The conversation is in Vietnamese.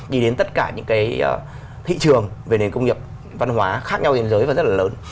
đi đến tất cả những cái thị trường về nền công nghiệp văn hóa khác nhau trên giới và rất là lớn